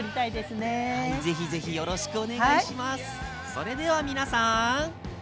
それでは皆さん。